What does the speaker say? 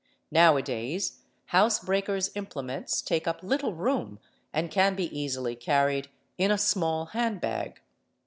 Now a days housebreakers' implements take up little room and can be easily carried in a small handbag.